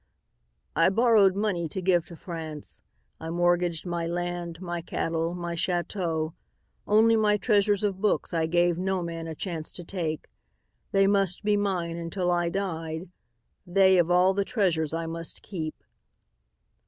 "I borrowed money to give to France. I mortgaged my land, my cattle, my chateau; only my treasure of books I gave no man a chance to take. They must be mine until I died. They of all the treasures I must keep.